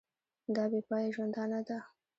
دا بې پایه ژوندانه ده.